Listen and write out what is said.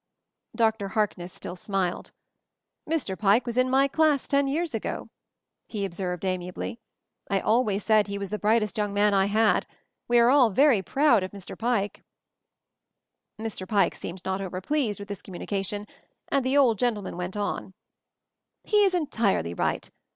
Dr. Harkness still smiled. "Mr. Pike MOVING THE MOUNTAIN 131 was in my class ten years ago," he observed amiably. "I always said he was the bright est young man I had. We are all very proud of Mr. Pike." Mr. Pike seemed not over pleased with this communication, and the old gentleman went on: "He is entirely right.